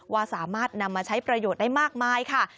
ว่าสามารถนำมาใช้ประโยชน์ได้มากมายค่ะ